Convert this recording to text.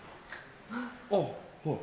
あっはい。